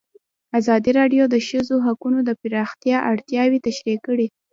ازادي راډیو د د ښځو حقونه د پراختیا اړتیاوې تشریح کړي.